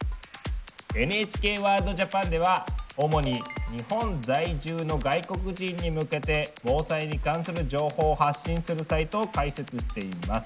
「ＮＨＫＷＯＲＬＤＪＡＰＡＮ」では主に日本在住の外国人に向けて防災に関する情報を発信するサイトを開設しています。